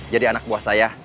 jadi anak buah saya